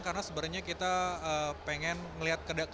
karena sebenarnya kita pengen melihat ke depannya ini kan motor listriknya